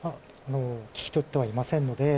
聞きとってはいませんので。